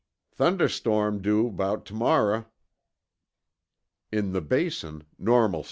"Thunderstorm due about t'morra." In the Basin, normalcy.